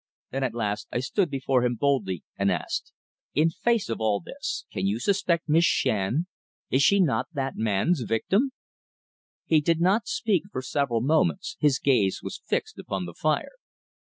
Then, at last, I stood before him boldly and asked: "In face of all this, can you suspect Miss Shand? Is she not that man's victim?" He did not speak for several moments; his gaze was fixed upon the fire.